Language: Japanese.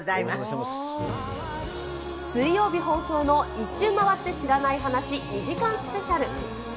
水曜日放送の、１周回って知らない話２時間スペシャル。